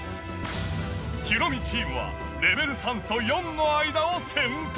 ヒロミチームはレベル３と４の間を選択。